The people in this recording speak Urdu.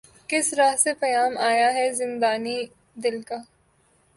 کس رہ سے پیام آیا ہے زندانئ دل کا